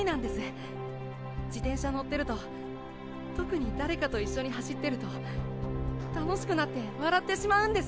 自転車乗ってると特に誰かと一緒に走ってると楽しくなって笑ってしまうんです。